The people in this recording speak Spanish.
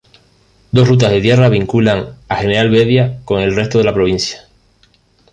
Dos rutas de tierra vinculan a General Vedia con el resto de la provincia.